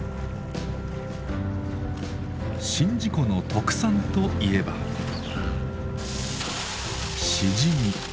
宍道湖の特産といえばしじみ。